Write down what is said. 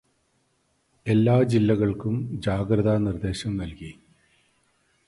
എല്ലാ ജില്ലകള്ക്കും ജാഗ്രതാ നിര്ദേശം നല്കി.